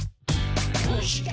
「どうして？